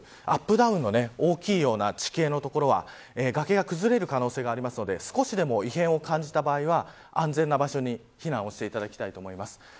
ダウンの大きいような地形の所は崖が崩れる可能性があるので少しでも異変を感じた場合は安全な場所に避難をしていただきたいです。